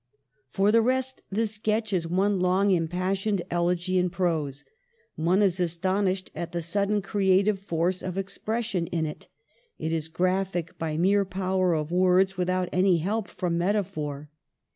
For the rest, the sketch is one long impassioned elegy in prose. One is astonished at the sudden creative force of expression in it It is graphic by mere power of words without any help from metaphor.